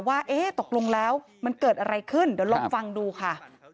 ว่าเอ๊ะตกลงแล้วมันเกิดอะไรขึ้นเดี๋ยวลองฟังดูค่ะ